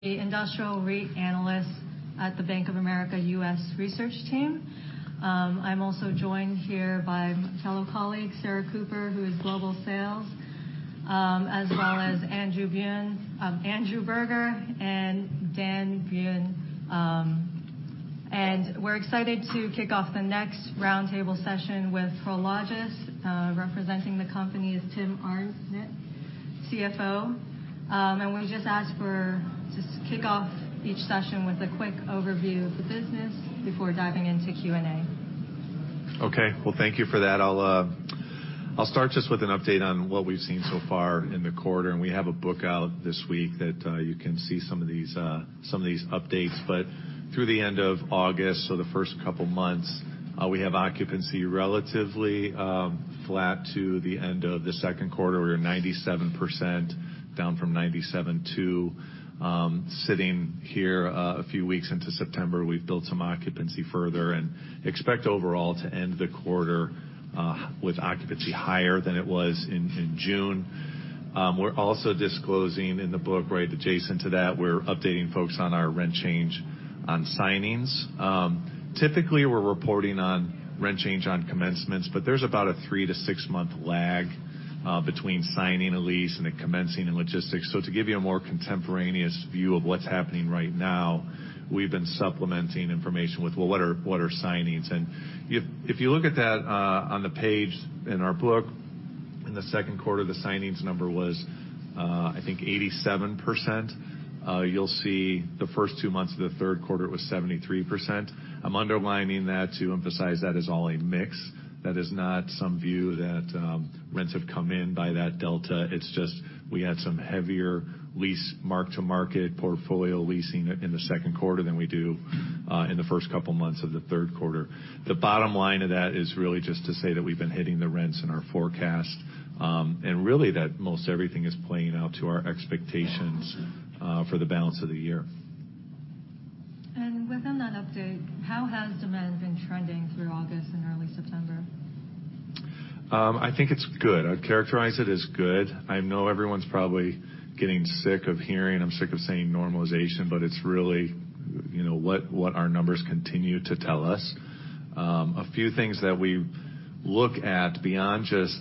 The industrial REIT analyst at the Bank of America U.S. Research Team. I'm also joined here by fellow colleague, Sarah Cooper, who is Global Sales, as well as Andrew Byun, Andrew Berger, and Dan Byun. We're excited to kick off the next roundtable session with Prologis. Representing the company is Tim Arndt, CFO. We just ask for just to kick off each session with a quick overview of the business before diving into Q&A. Okay. Well, thank you for that. I'll start just with an update on what we've seen so far in the quarter, and we have a book out this week that you can see some of these updates. But through the end of August, so the first couple of months, we have occupancy relatively flat to the end of the second quarter. We're 97%, down from 97.2%. Sitting here a few weeks into September, we've built some occupancy further and expect overall to end the quarter with occupancy higher than it was in June. We're also disclosing in the book, right adjacent to that, we're updating folks on our rent change on signings. Typically, we're reporting on rent change on commencements, but there's about a three- to six-month lag between signing a lease and it commencing in logistics. So to give you a more contemporaneous view of what's happening right now, we've been supplementing information with what are signings? And if you look at that on the page in our book, in the second quarter, the signings number was, I think, 87%. You'll see the first two months of the third quarter, it was 73%. I'm underlining that to emphasize that is all a mix. That is not some view that rents have come in by that delta. It's just we had some heavier lease mark-to-market portfolio leasing in the second quarter than we do in the first couple of months of the third quarter. The bottom line of that is really just to say that we've been hitting the rents in our forecast, and really, that most everything is playing out to our expectations, for the balance of the year. Within that update, how has demand been trending through August and early September? I think it's good. I'd characterize it as good. I know everyone's probably getting sick of hearing, I'm sick of saying normalization, but it's really, you know, what our numbers continue to tell us. A few things that we look at beyond just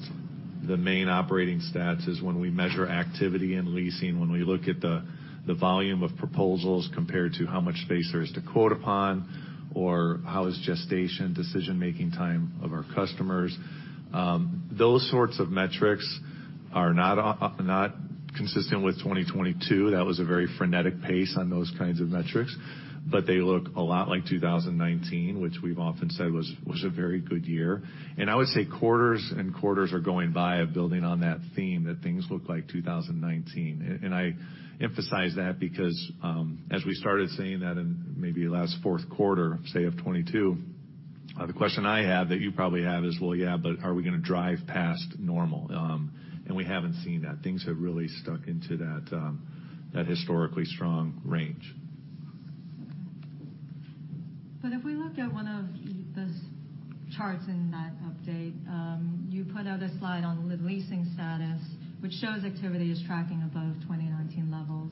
the main operating stats is when we measure activity in leasing, when we look at the volume of proposals compared to how much space there is to quote upon, or how is gestation, decision-making time of our customers. Those sorts of metrics are not not consistent with 2022. That was a very frenetic pace on those kinds of metrics, but they look a lot like 2019, which we've often said was a very good year. I would say quarters and quarters are going by of building on that theme, that things look like 2019. And I emphasize that because, as we started saying that in maybe last fourth quarter, say, of 2022, the question I have that you probably have is: Well, yeah, but are we going to drive past normal? And we haven't seen that. Things have really stuck into that, that historically strong range. But if we look at one of those charts in that update, you put out a slide on leasing status, which shows activity is tracking above 2019 levels.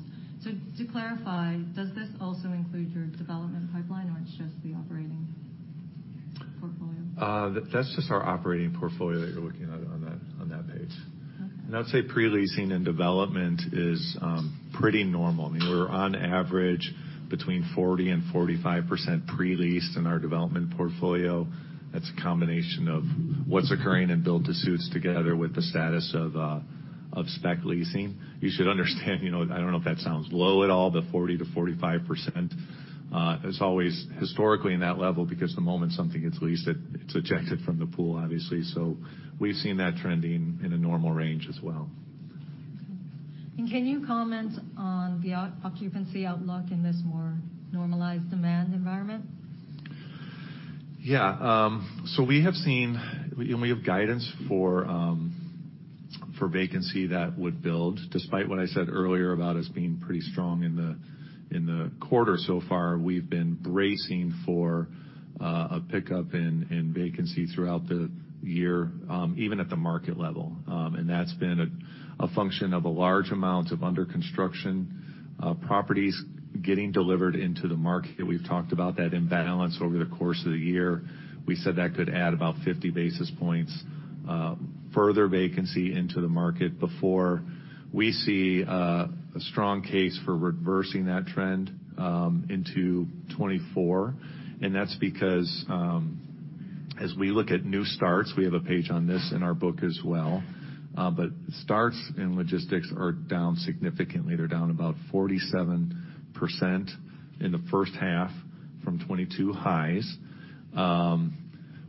To clarify, does this also include your development pipeline, or it's just the operating portfolio? That's just our operating portfolio that you're looking at on that page. Okay. I'd say pre-leasing and development is pretty normal. I mean, we're on average between 40% and 45% pre-leased in our development portfolio. That's a combination of what's occurring in build-to-suits, together with the status of of spec leasing. You should understand, you know, I don't know if that sounds low at all, but 40%-45% is always historically in that level, because the moment something gets leased, it, it's ejected from the pool, obviously. So we've seen that trending in a normal range as well. Can you comment on the occupancy outlook in this more normalized demand environment? Yeah, so we have seen... We have guidance for vacancy that would build. Despite what I said earlier about us being pretty strong in the quarter so far, we've been bracing for a pickup in vacancy throughout the year, even at the market level. And that's been a function of a large amount of under construction properties getting delivered into the market. We've talked about that imbalance over the course of the year. We said that could add about 50 basis points further vacancy into the market before we see a strong case for reversing that trend into 2024. And that's because, as we look at new starts, we have a page on this in our book as well, but starts and logistics are down significantly. They're down about 47% in the first half from 2022 highs.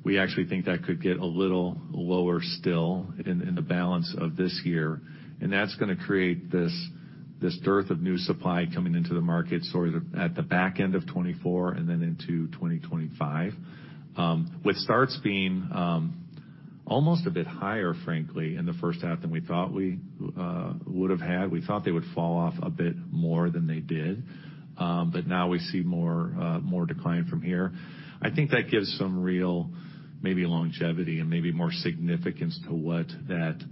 We actually think that could get a little lower still in the balance of this year, and that's going to create this dearth of new supply coming into the market, sort of at the back end of 2024 and then into 2025. With starts being almost a bit higher, frankly, in the first half than we thought we would have had. We thought they would fall off a bit more than they did, but now we see more decline from here. I think that gives some real, maybe longevity and maybe more significance to what that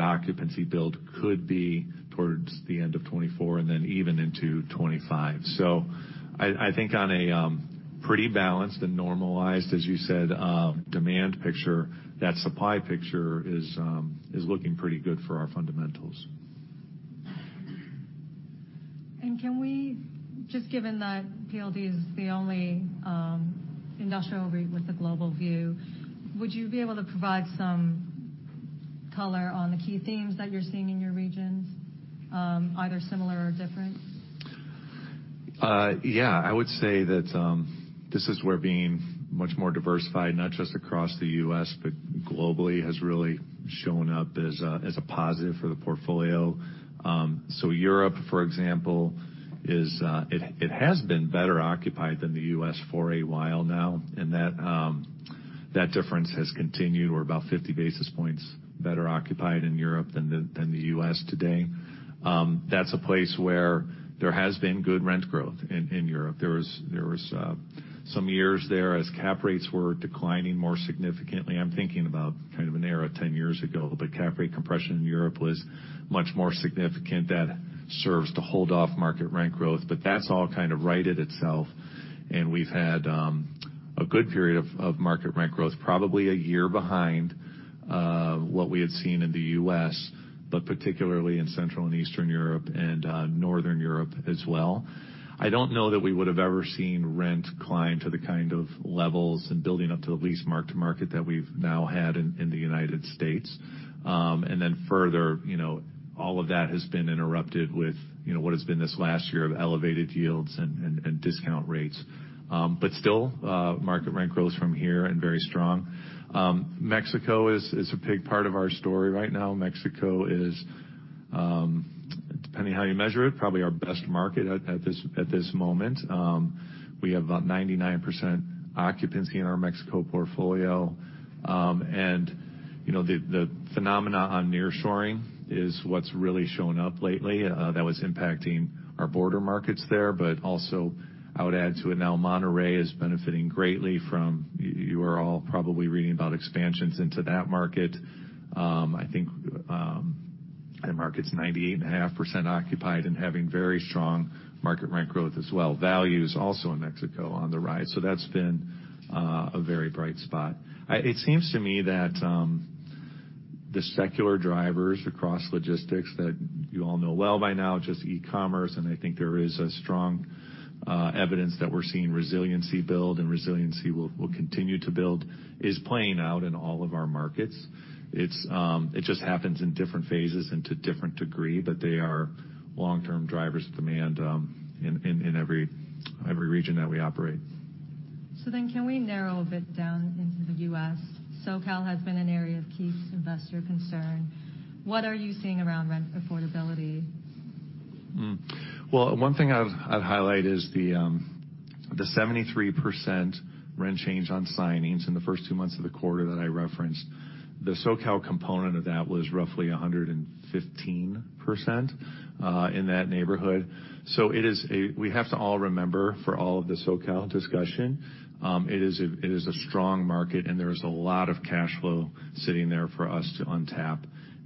occupancy build could be towards the end of 2024 and then even into 2025. So I think on a pretty balanced and normalized, as you said, demand picture, that supply picture is looking pretty good for our fundamentals. Can we, just given that PLD is the only industrial REIT with a global view, would you be able to provide some color on the key themes that you're seeing in your regions, either similar or different? Yeah, I would say that this is where being much more diversified, not just across the U.S., but globally, has really shown up as a positive for the portfolio. So Europe, for example, is it has been better occupied than the U.S. for a while now, and that difference has continued. We're about 50 basis points better occupied in Europe than the U.S. today. That's a place where there has been good rent growth in Europe. There was some years there as cap rates were declining more significantly. I'm thinking about kind of an era 10 years ago, but cap rate compression in Europe was much more significant. That serves to hold off market rent growth, but that's all kind of righted itself, and we've had a good period of market rent growth, probably a year behind what we had seen in the U.S., but particularly in Central and Eastern Europe and Northern Europe as well. I don't know that we would have ever seen rent climb to the kind of levels and building up to the lease mark-to-market that we've now had in the United States. And then further, you know, all of that has been interrupted with, you know, what has been this last year of elevated yields and discount rates. But still, market rent grows from here and very strong. Mexico is a big part of our story right now. Mexico is, depending how you measure it, probably our best market at this moment. We have about 99% occupancy in our Mexico portfolio. And, you know, the phenomena on nearshoring is what's really shown up lately, that was impacting our border markets there. But also I would add to it now, Monterrey is benefiting greatly from... You are all probably reading about expansions into that market. I think that market's 98.5% occupied and having very strong market rent growth as well. Value is also in Mexico on the rise, so that's been a very bright spot. It seems to me that, the secular drivers across logistics that you all know well by now, just e-commerce, and I think there is a strong, evidence that we're seeing resiliency build and resiliency will continue to build, is playing out in all of our markets. It's, it just happens in different phases and to different degree, but they are long-term drivers of demand, in every region that we operate. Can we narrow a bit down into the U.S.? SoCal has been an area of key investor concern. What are you seeing around rent affordability? Well, one thing I'd highlight is the 73% rent change on signings in the first two months of the quarter that I referenced. The SoCal component of that was roughly 115%, in that neighborhood. So it is a strong market. We have to all remember, for all of the SoCal discussion, it is a strong market, and there is a lot of cash flow sitting there for us to untap,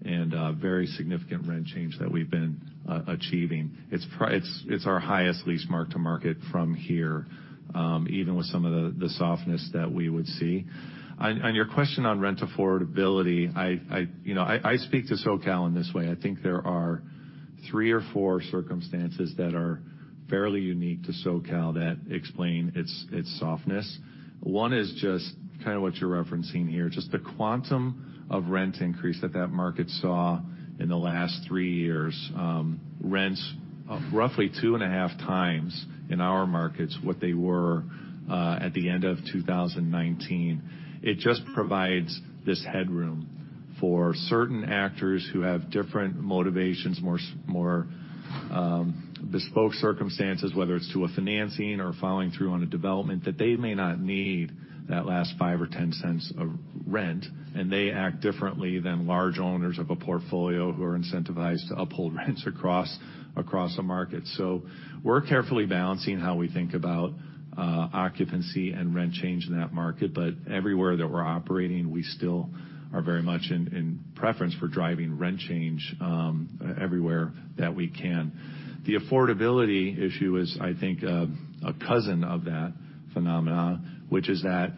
and very significant rent change that we've been achieving. It's our highest lease mark-to-market from here, even with some of the softness that we would see. On your question on rent affordability, you know, I speak to SoCal in this way. I think there are three or four circumstances that are fairly unique to SoCal that explain its softness. One is just kind of what you're referencing here, just the quantum of rent increase that that market saw in the last three years. Rents roughly 2.5x in our markets what they were at the end of 2019. It just provides this headroom for certain actors who have different motivations, more bespoke circumstances, whether it's to a financing or following through on a development, that they may not need that last five or ten cents of rent, and they act differently than large owners of a portfolio who are incentivized to uphold rents across a market. So we're carefully balancing how we think about occupancy and rent change in that market, but everywhere that we're operating, we still are very much in preference for driving rent change everywhere that we can. The affordability issue is, I think, a cousin of that phenomenon, which is that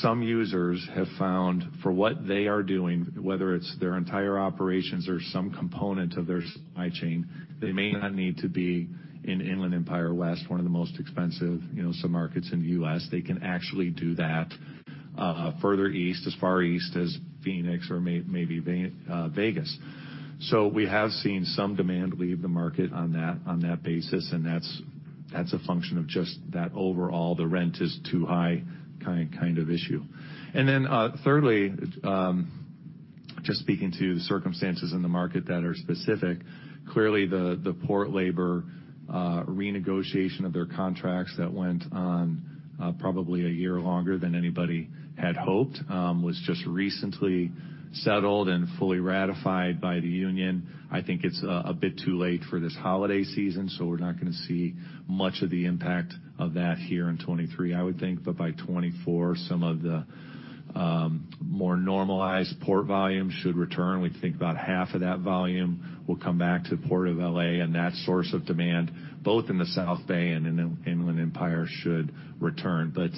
some users have found, for what they are doing, whether it's their entire operations or some component of their supply chain, they may not need to be in Inland Empire West, one of the most expensive, you know, submarkets in the U.S. They can actually do that further east, as far east as Phoenix or maybe Vegas. So we have seen some demand leave the market on that basis, and that's a function of just that overall, the rent is too high kind of issue. And then, thirdly, just speaking to the circumstances in the market that are specific, clearly the port labor renegotiation of their contracts that went on probably a year longer than anybody had hoped was just recently settled and fully ratified by the union. I think it's a bit too late for this holiday season, so we're not gonna see much of the impact of that here in 2023, I would think. But by 2024, some of the more normalized port volume should return. We think about half of that volume will come back to the Port of L.A., and that source of demand, both in the South Bay and in the Inland Empire, should return. But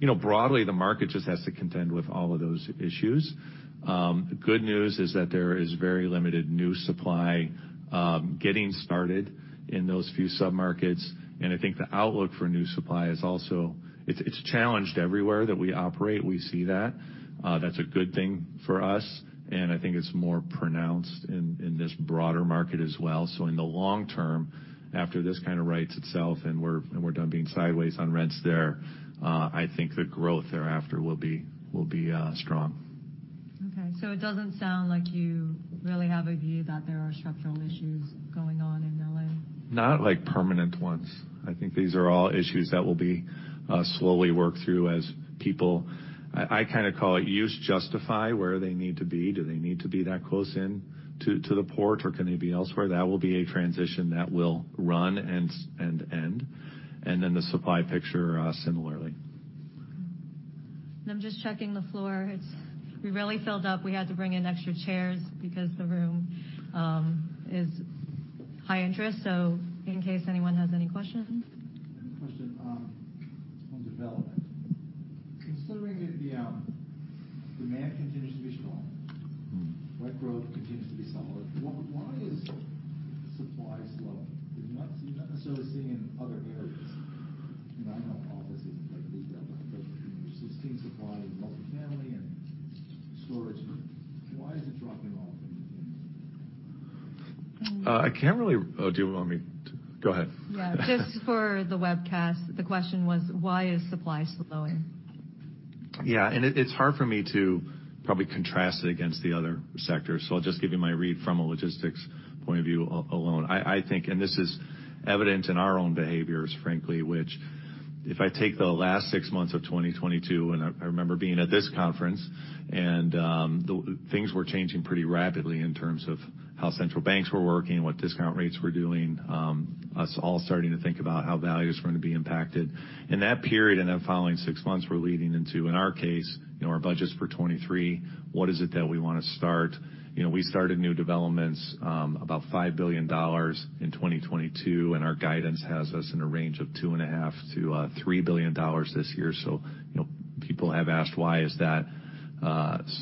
you know, broadly, the market just has to contend with all of those issues. The good news is that there is very limited new supply getting started in those few submarkets, and I think the outlook for new supply is also it's challenged everywhere that we operate. We see that. That's a good thing for us, and I think it's more pronounced in this broader market as well. So in the long term, after this kind of rights itself and we're done being sideways on rents there, I think the growth thereafter will be strong. Okay. So it doesn't sound like you really have a view that there are structural issues going on in L.A.? Not like permanent ones. I think these are all issues that will be slowly worked through as people... I kind of call it use, justify where they need to be. Do they need to be that close in to the port, or can they be elsewhere? That will be a transition that will run and end, and then the supply picture, similarly. I'm just checking the floor. It's. We really filled up. We had to bring in extra chairs because the room is high interest, so in case anyone has any questions. I have a question on development. Considering that the demand continues to be strong- Mm-hmm. Rent growth continues to be solid, why is supply slowing? You're not necessarily seeing in other areas, and I know office isn't like retail, but, you know, we're still seeing supply in multifamily and storage. Why is it dropping off in industrial? I can't really... Oh, do you want me to-- Go ahead. Yeah. Just for the webcast, the question was, why is supply slowing? Yeah, and it, it's hard for me to probably contrast it against the other sectors, so I'll just give you my read from a logistics point of view alone. I think, and this is evident in our own behaviors, frankly, which if I take the last six months of 2022, and I remember being at this conference, and things were changing pretty rapidly in terms of how central banks were working, what discount rates were doing, us all starting to think about how values were going to be impacted. In that period, in that following six months, we're leading into, in our case, you know, our budgets for 2023, what is it that we want to start? You know, we started new developments about $5 billion in 2022, and our guidance has us in a range of $2.5 billion-$3 billion this year. So, you know, people have asked, why is that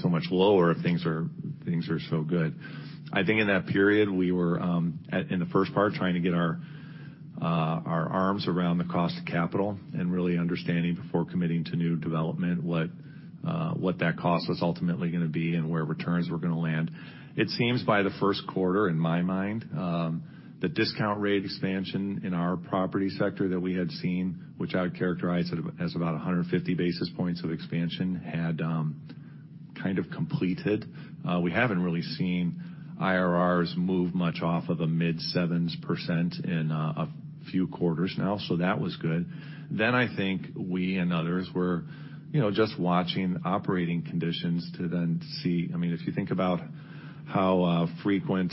so much lower if things are so good? I think in that period, we were in the first part, trying to get our our arms around the cost of capital and really understanding before committing to new development, what what that cost was ultimately going to be and where returns were going to land. It seems by the first quarter, in my mind, the discount rate expansion in our property sector that we had seen, which I would characterize as about 150 basis points of expansion, had kind of completed. We haven't really seen IRRs move much off of the mid-7s percent in a few quarters now, so that was good. Then I think we and others were, you know, just watching operating conditions to then see... I mean, if you think about how frequent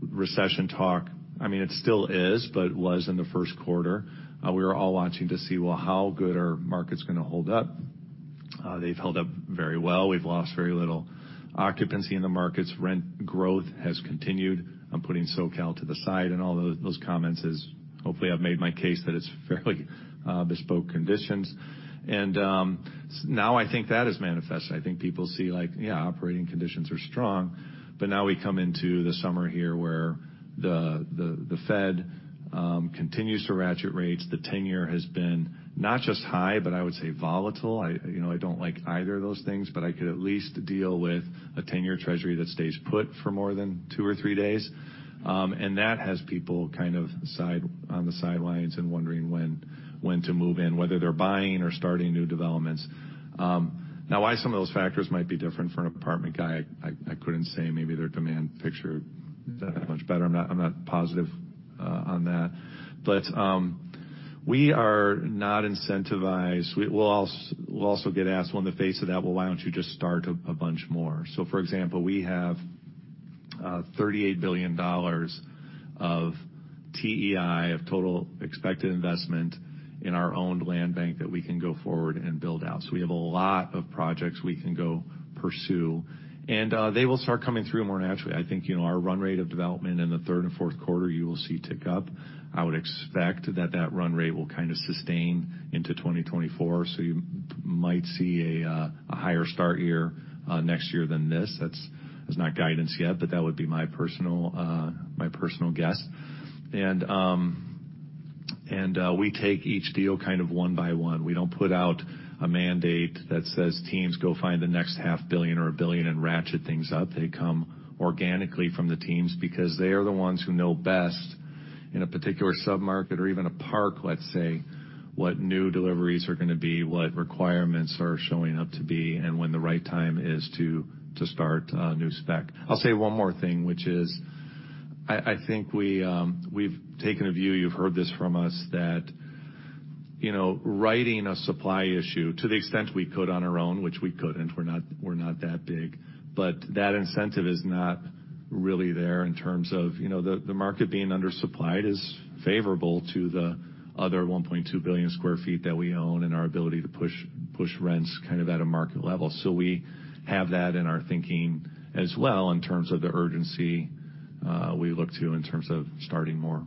recession talk, I mean, it still is, but was in the first quarter, we were all watching to see, well, how good are markets going to hold up? They've held up very well. We've lost very little occupancy in the markets. Rent growth has continued. I'm putting SoCal to the side, and all those comments is, hopefully, I've made my case that it's fairly bespoke conditions. And now I think that is manifested. I think people see, like, yeah, operating conditions are strong, but now we come into the summer here, where the Fed continues to ratchet rates. The ten-year has been not just high, but I would say volatile. You know, I don't like either of those things, but I could at least deal with a ten-year treasury that stays put for more than two or three days. And that has people kind of sitting on the sidelines and wondering when to move in, whether they're buying or starting new developments. Now, why some of those factors might be different for an apartment guy, I couldn't say. Maybe their demand picture is that much better. I'm not positive on that. But we are not incentivized. We'll also get asked, well, in the face of that, well, why don't you just start a bunch more? So for example, we have $38 billion of TEI, of total expected investment, in our owned land bank that we can go forward and build out. So we have a lot of projects we can go pursue, and they will start coming through more naturally. I think, you know, our run rate of development in the third and fourth quarter, you will see tick up. I would expect that that run rate will kind of sustain into 2024, so you might see a higher start year next year than this. That's not guidance yet, but that would be my personal guess. And we take each deal kind of one by one. We don't put out a mandate that says, teams, go find the next $500 million or $1 billion and ratchet things up. They come organically from the teams because they are the ones who know best in a particular submarket or even a park, let's say, what new deliveries are going to be, what requirements are showing up to be, and when the right time is to start a new spec. I'll say one more thing, which is, I think we've taken a view, you've heard this from us, that, you know, righting a supply issue to the extent we could on our own, which we couldn't, we're not, we're not that big. But that incentive is not really there in terms of, you know, the market being undersupplied is favorable to the other 1.2 billion sq ft that we own and our ability to push, push rents kind of at a market level. So we have that in our thinking as well in terms of the urgency we look to in terms of starting more.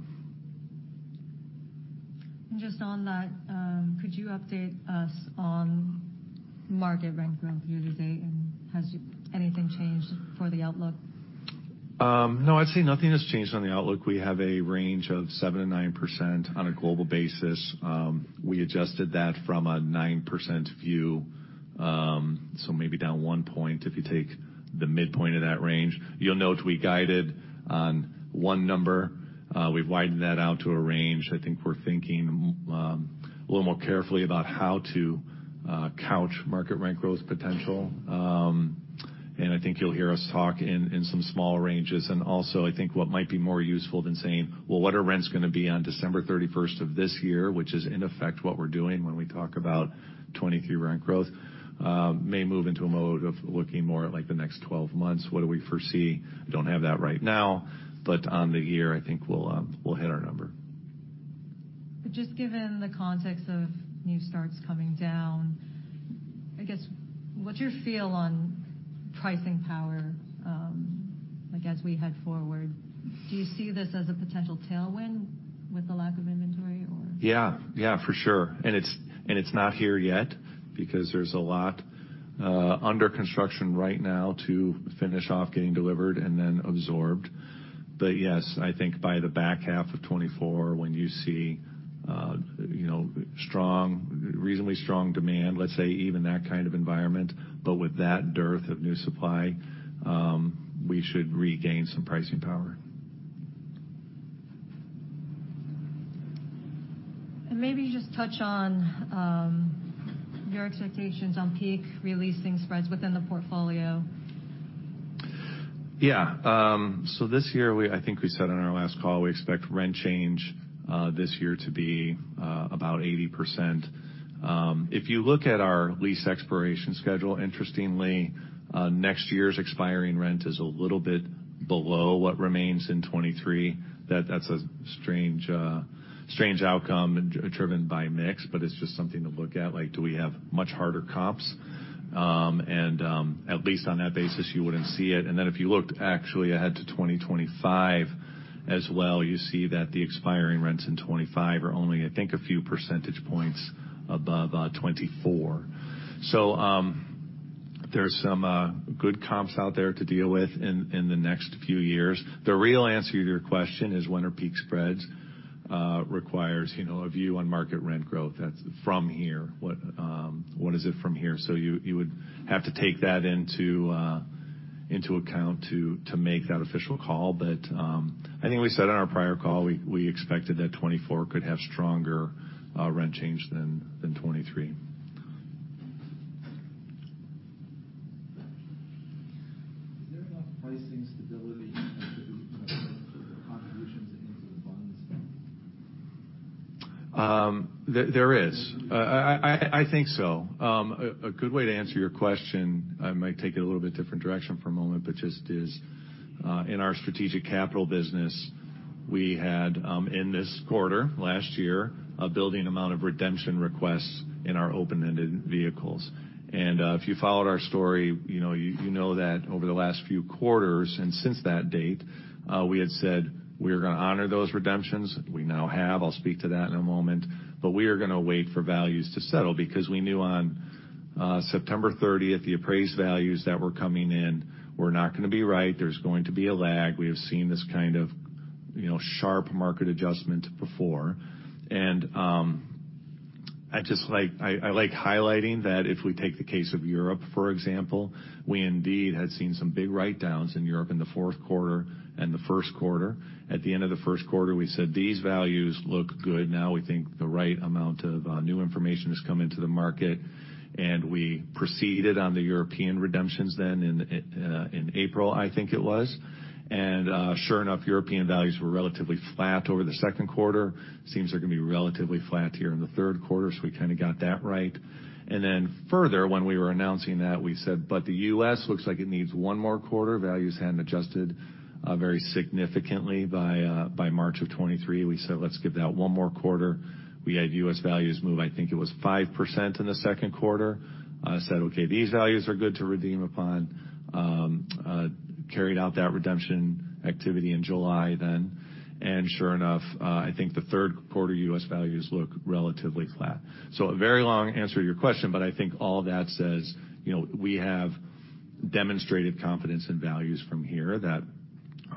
Just on that, could you update us on market rent growth year-to-date, and has anything changed for the outlook? No, I'd say nothing has changed on the outlook. We have a range of 7%-9% on a global basis. We adjusted that from a 9% view, so maybe down 1 point, if you take the midpoint of that range. You'll note, we guided on one number. We've widened that out to a range. I think we're thinking a little more carefully about how to couch market rent growth potential. And I think you'll hear us talk in some small ranges. And also, I think what might be more useful than saying, "Well, what are rents gonna be on December thirty-first of this year?" Which is, in effect, what we're doing when we talk about 2023 rent growth may move into a mode of looking more at, like, the next 12 months. What do we foresee? Don't have that right now, but on the year, I think we'll, we'll hit our number. But just given the context of new starts coming down, I guess, what's your feel on pricing power, like, as we head forward? Do you see this as a potential tailwind with the lack of inventory or? Yeah, yeah, for sure. And it's, and it's not here yet because there's a lot under construction right now to finish off getting delivered and then absorbed. But yes, I think by the back half of 2024, when you see, you know, strong, reasonably strong demand, let's say, even that kind of environment, but with that dearth of new supply, we should regain some pricing power. Maybe just touch on your expectations on peak re-leasing spreads within the portfolio? Yeah. So this year, we, I think we said in our last call, we expect rent change this year to be about 80%. If you look at our lease expiration schedule, interestingly, next year's expiring rent is a little bit below what remains in 2023. That's a strange, strange outcome driven by mix, but it's just something to look at, like, do we have much harder comps? And at least on that basis, you wouldn't see it. And then if you looked actually ahead to 2025 as well, you see that the expiring rents in 2025 are only, I think, a few percentage points above 2024. So, there's some good comps out there to deal with in the next few years. The real answer to your question is when are peak spreads requires, you know, a view on market rent growth. That's from here. What, what is it from here? So you, you would have to take that into, into account to, to make that official call. But, I think we said in our prior call, we, we expected that 2024 could have stronger, rent change than, than 2023. Is there enough pricing stability to contribute to the contributions into the bond spread? There is. I think so. A good way to answer your question, I might take it a little bit different direction for a moment, but just is, in our Strategic Capital business, we had, in this quarter, last year, a building amount of redemption requests in our open-ended vehicles. And, if you followed our story, you know, you know that over the last few quarters and since that date, we had said we are gonna honor those redemptions. We now have. I'll speak to that in a moment. But we are gonna wait for values to settle because we knew on, September thirtieth, the appraised values that were coming in were not gonna be right. There's going to be a lag. We have seen this kind of, you know, sharp market adjustment before. And, I just like, I, I like highlighting that if we take the case of Europe, for example, we indeed had seen some big write-downs in Europe in the fourth quarter and the first quarter. At the end of the first quarter, we said, "These values look good." Now we think the right amount of new information has come into the market, and we proceeded on the European redemptions then in, in April, I think it was. And, sure enough, European values were relatively flat over the second quarter. Seems they're gonna be relatively flat here in the third quarter, so we kind of got that right. And then further, when we were announcing that, we said, "But the U.S. looks like it needs one more quarter." Values hadn't adjusted very significantly by, by March of 2023. We said, "Let's give that one more quarter." We had U.S. values move, I think it was 5% in the second quarter. Said, "Okay, these values are good to redeem upon." Carried out that redemption activity in July then, and sure enough, I think the third quarter U.S. values look relatively flat. So a very long answer to your question, but I think all that says, you know, we have demonstrated confidence in values from here, that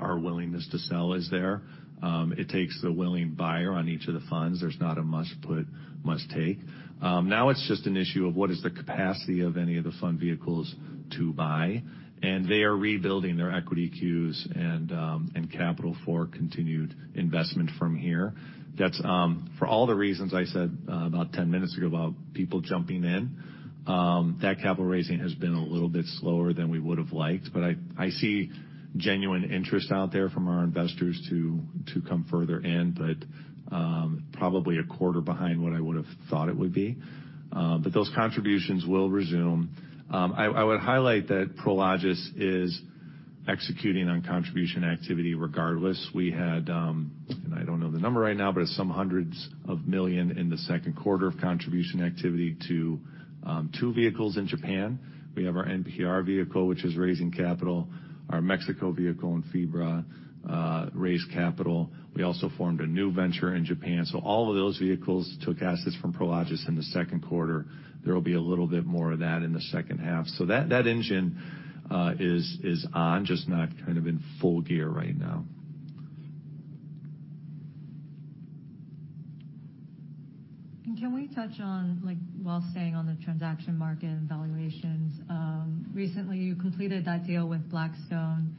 our willingness to sell is there. It takes the willing buyer on each of the funds. There's not a must put, must take. Now it's just an issue of what is the capacity of any of the fund vehicles to buy, and they are rebuilding their equity queues and, and capital for continued investment from here. That's for all the reasons I said about ten minutes ago, about people jumping in, that capital raising has been a little bit slower than we would have liked. But I see genuine interest out there from our investors to come further in, but probably a quarter behind what I would have thought it would be, but those contributions will resume. I would highlight that Prologis is executing on contribution activity regardless. We had, and I don't know the number right now, but it's hundreds of millions in the second quarter of contribution activity to two vehicles in Japan. We have our NPR vehicle, which is raising capital. Our Mexico vehicle and FIBRA raised capital. We also formed a new venture in Japan. So all of those vehicles took assets from Prologis in the second quarter. There will be a little bit more of that in the second half. So that engine is on, just not kind of in full gear right now. Can we touch on, like, while staying on the transaction market and valuations, recently, you completed that deal with Blackstone,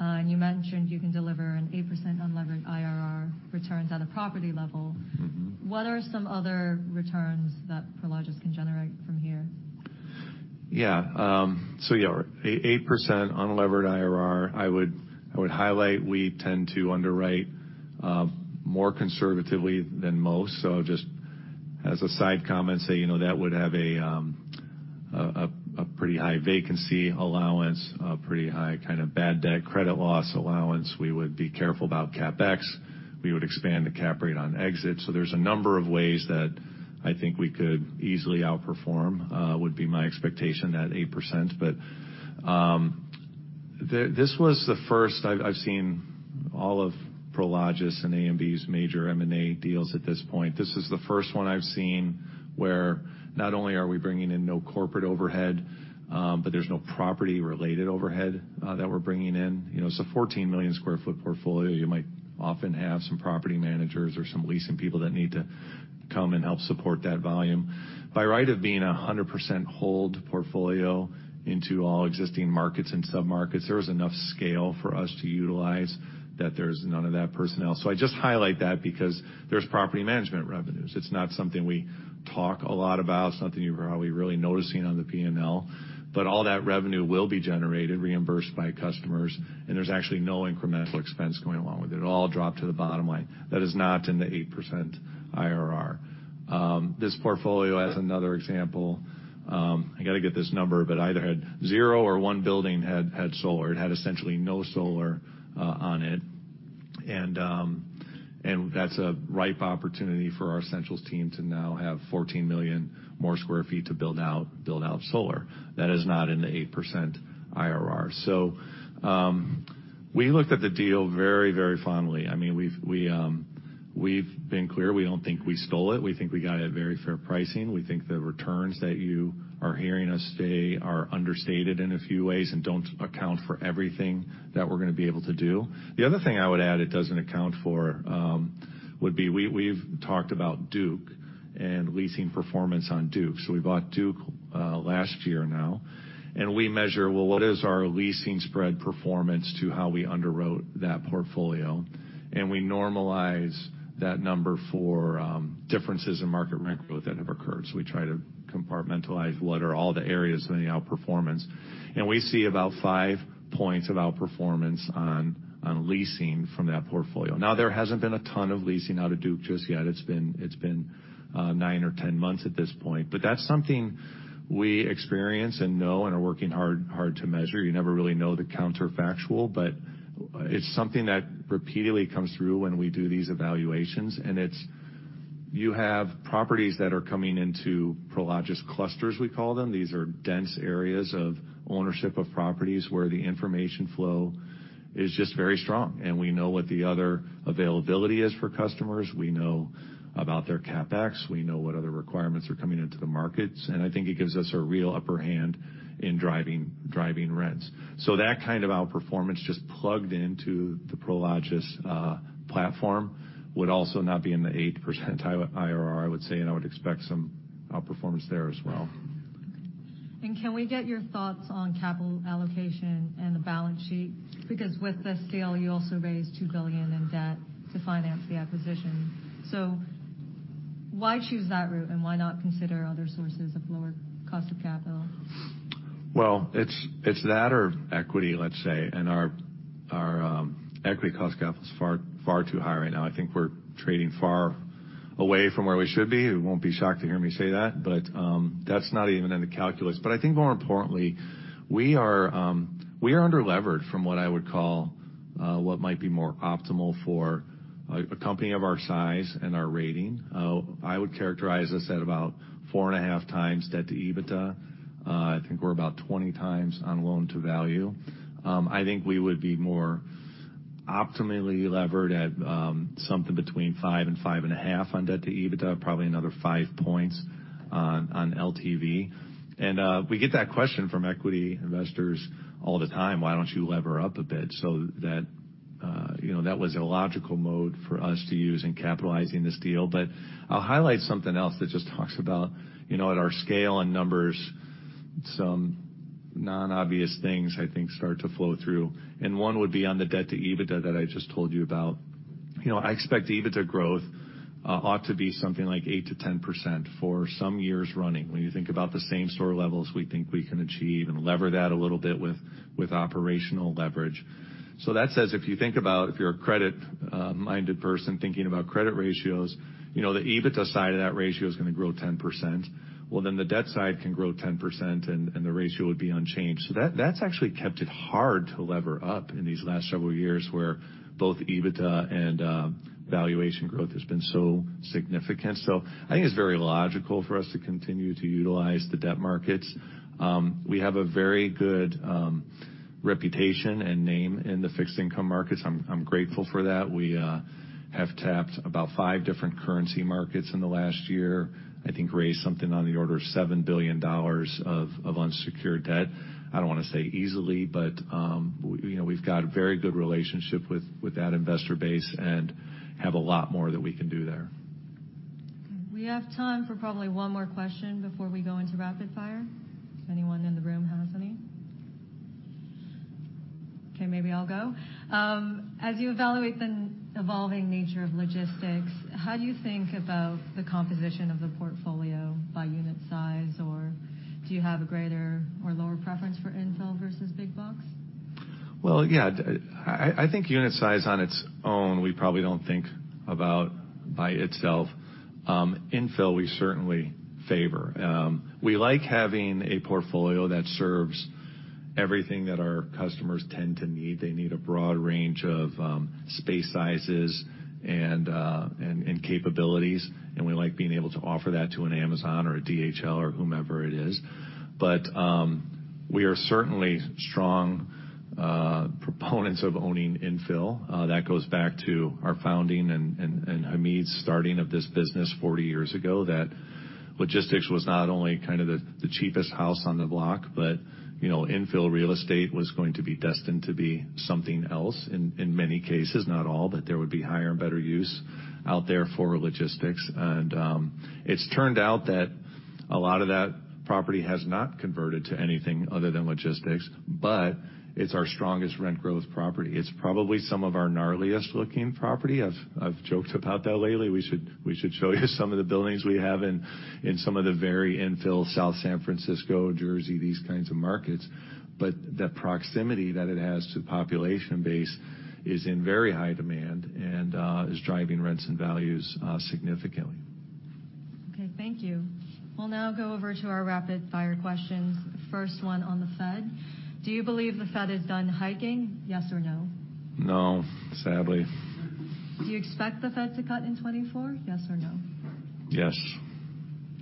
and you mentioned you can deliver an 8% unlevered IRR returns at a property level? Mm-hmm. What are some other returns that Prologis can generate from here? Yeah, so yeah, 8% unlevered IRR, I would highlight, we tend to underwrite more conservatively than most. So just as a side comment, say, you know, that would have a pretty high vacancy allowance, a pretty high kind of bad debt, credit loss allowance. We would be careful about CapEx. We would expand the cap rate on exit. So there's a number of ways that I think we could easily outperform, would be my expectation, that 8%. But this was the first... I've seen all of Prologis and AMB's major M&A deals at this point. This is the first one I've seen, where not only are we bringing in no corporate overhead, but there's no property-related overhead that we're bringing in. You know, it's a 14 million sq ft portfolio. You might often have some property managers or some leasing people that need to come and help support that volume. By right of being a 100% hold portfolio into all existing markets and submarkets, there is enough scale for us to utilize that there's none of that personnel. So I just highlight that because there's property management revenues. It's not something we talk a lot about, something you're probably really noticing on the P&L, but all that revenue will be generated, reimbursed by customers, and there's actually no incremental expense going along with it. It all dropped to the bottom line. That is not in the 8% IRR. This portfolio, as another example, I got to get this number, but either had 0 or 1 building had solar. It had essentially no solar on it. And that's a ripe opportunity for our Essentials team to now have 14 million more sq ft to build out, build out solar. That is not in the 8% IRR. So, we looked at the deal very, very fondly. I mean, we've been clear, we don't think we stole it. We think we got a very fair pricing. We think the returns that you are hearing us today are understated in a few ways and don't account for everything that we're going to be able to do. The other thing I would add, it doesn't account for would be we, we've talked about Duke and leasing performance on Duke. So we bought Duke last year now, and we measure, well, what is our leasing spread performance to how we underwrote that portfolio? We normalize that number for differences in market rent growth that have occurred. So we try to compartmentalize what are all the areas of the outperformance, and we see about five points of outperformance on leasing from that portfolio. Now, there hasn't been a ton of leasing out of Duke just yet. It's been 9 or 10 months at this point, but that's something we experience and know and are working hard to measure. You never really know the counterfactual, but it's something that repeatedly comes through when we do these evaluations, and it's... You have properties that are coming into Prologis clusters, we call them. These are dense areas of ownership of properties, where the information flow is just very strong, and we know what the other availability is for customers. We know about their CapEx, we know what other requirements are coming into the markets, and I think it gives us a real upper hand in driving, driving rents. So that kind of outperformance just plugged into the Prologis platform, would also not be in the 8% IRR, I would say, and I would expect some outperformance there as well. Can we get your thoughts on capital allocation and the balance sheet? Because with this deal, you also raised $2 billion in debt to finance the acquisition. Why choose that route, and why not consider other sources of lower cost of capital? Well, it's that or equity, let's say, and our equity cost of capital is far, far too high right now. I think we're trading far away from where we should be. You won't be shocked to hear me say that, but that's not even in the calculus. But I think more importantly, we are underleveraged from what I would call what might be more optimal for a company of our size and our rating. I would characterize us at about 4.5x debt to EBITDA. I think we're about 20 times on loan to value. I think we would be more optimally levered at something between 5 and 5.5 on debt to EBITDA, probably another 5 points on LTV. We get that question from equity investors all the time. "Why don't you lever up a bit?" So that, you know, that was a logical mode for us to use in capitalizing this deal. But I'll highlight something else that just talks about, you know, at our scale and numbers, some non-obvious things I think start to flow through, and one would be on the debt to EBITDA that I just told you about. You know, I expect EBITDA growth ought to be something like 8%-10% for some years running. When you think about the same store levels we think we can achieve and lever that a little bit with operational leverage. So that says, if you think about if you're a credit-... Minded person thinking about credit ratios, you know, the EBITDA side of that ratio is going to grow 10%. Well, then the debt side can grow 10%, and the ratio would be unchanged. So that's actually kept it hard to lever up in these last several years, where both EBITDA and valuation growth has been so significant. So I think it's very logical for us to continue to utilize the debt markets. We have a very good reputation and name in the fixed income markets. I'm grateful for that. We have tapped about 5 different currency markets in the last year. I think raised something on the order of $7 billion of unsecured debt. I don't want to say easily, but, you know, we've got a very good relationship with, with that investor base and have a lot more that we can do there. We have time for probably one more question before we go into rapid fire. Anyone in the room has any? Okay, maybe I'll go. As you evaluate the evolving nature of logistics, how do you think about the composition of the portfolio by unit size, or do you have a greater or lower preference for infill versus big box? Well, yeah, I think unit size on its own, we probably don't think about by itself. Infill, we certainly favor. We like having a portfolio that serves everything that our customers tend to need. They need a broad range of space sizes and capabilities, and we like being able to offer that to an Amazon or a DHL or whomever it is. But we are certainly strong proponents of owning infill. That goes back to our founding and Hamid's starting of this business 40 years ago, that logistics was not only kind of the cheapest house on the block, but you know, infill real estate was going to be destined to be something else in many cases, not all, but there would be higher and better use out there for logistics. It's turned out that a lot of that property has not converted to anything other than logistics, but it's our strongest rent growth property. It's probably some of our gnarliest looking property. I've joked about that lately. We should show you some of the buildings we have in some of the very infill, South San Francisco, Jersey, these kinds of markets. But the proximity that it has to population base is in very high demand and is driving rents and values significantly. Okay, thank you. We'll now go over to our rapid fire questions. First one on the Fed: Do you believe the Fed is done hiking, yes or no? No, sadly. Do you expect the Fed to cut in 2024, yes or no? Yes.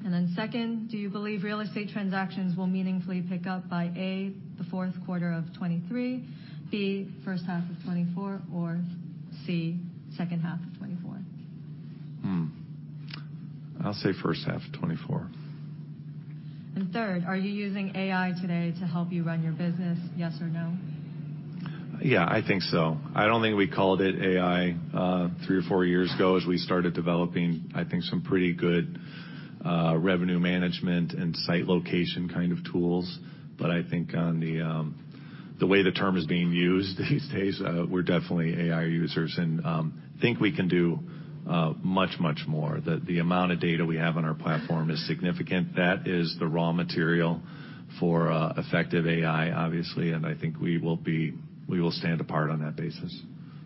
And then second, do you believe real estate transactions will meaningfully pick up by, A, the fourth quarter of 2023, B, first half of 2024, or C, second half of 2024? Hmm. I'll say first half of 2024. Third, are you using AI today to help you run your business, yes or no? Yeah, I think so. I don't think we called it AI three or four years ago as we started developing, I think, some pretty good revenue management and site location kind of tools. But I think on the way the term is being used these days, we're definitely AI users, and think we can do much, much more. The amount of data we have on our platform is significant. That is the raw material for effective AI, obviously, and I think we will stand apart on that basis.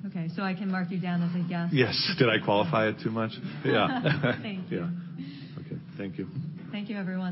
Okay, so I can mark you down as a yes. Yes. Did I qualify it too much? Yeah. Thank you. Yeah. Okay. Thank you. Thank you, everyone.